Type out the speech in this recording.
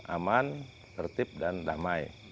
aman tertib dan damai